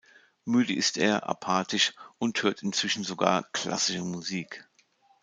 Müde ist er, apathisch, und hört inzwischen sogar klassische Musik.